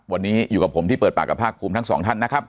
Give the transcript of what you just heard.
วันนี้อยู่กับผมที่เปิดปากกับภาคภูมิทั้งสองท่านนะครับ